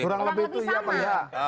kurang lebih sama